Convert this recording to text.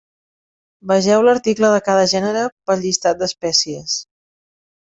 Vegeu l'article de cada gènere pel llistat d'espècies.